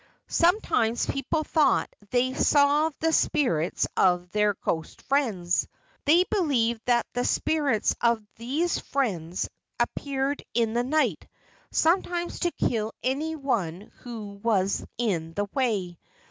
Sometimes people thought they saw the spirits of their ghost friends. They believed that the spirits of these friends appeared in the night, sometimes to kill any one who was in the way.